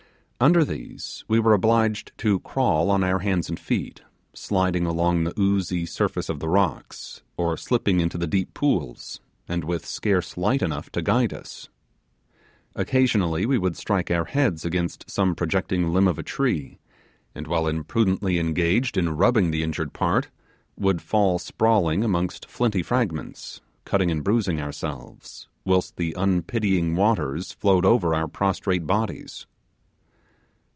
Under these we were obliged to crawl on our hands and feet, sliding along the oozy surface of the rocks, or slipping into the deep pools, and with scarce light enough to guide us. Occasionally we would strike our heads against some projecting limb of a tree; and while imprudently engaged in rubbing the injured part, would fall sprawling amongst flinty fragments, cutting and bruising ourselves, whilst the unpitying waters flowed over our prostrate bodies.